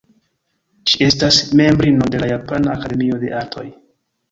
Ŝi estas membrino de la Japana Akademio de Artoj.